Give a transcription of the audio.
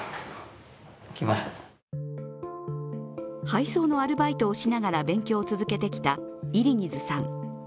配送のアルバイトをしながら勉強を続けてきたイリギズさん。